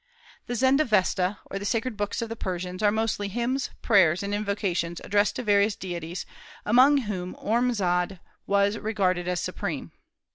The Zend Avesta, or the sacred books of the Persians, are mostly hymns, prayers, and invocations addressed to various deities, among whom Ormazd was regarded as supreme.